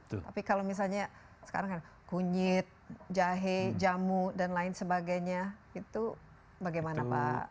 tapi kalau misalnya sekarang kan kunyit jahe jamu dan lain sebagainya itu bagaimana pak